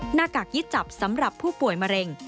หน้ากากยึดจับสำหรับผู้ป่วยมะเร็ง